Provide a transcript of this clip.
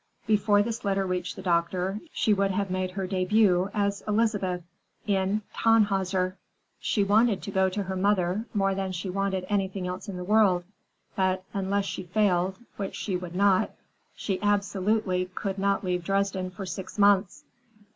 Before this letter reached the doctor, she would have made her debut as Elizabeth, in "Tannhäuser." She wanted to go to her mother more than she wanted anything else in the world, but, unless she failed,—which she would not,—she absolutely could not leave Dresden for six months.